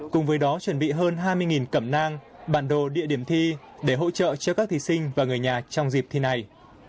cùng với đó chuẩn bị hơn hai mươi cẩm nang bản đồ địa điểm thi để hỗ trợ cho các thí sinh và người nhà trong dịp thi này